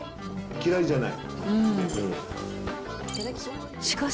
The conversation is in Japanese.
嫌いじゃない。